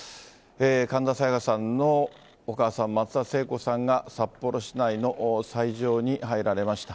神田沙也加さんのお母さん、松田聖子さんが札幌市内の斎場に入られました。